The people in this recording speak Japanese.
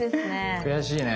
悔しいね。